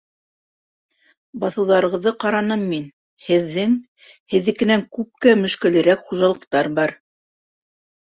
Баҫыуҙарығыҙҙы ҡараным мин һеҙҙең... һеҙҙекенән күпкә мөшкәлерәк хужалыҡтар бар...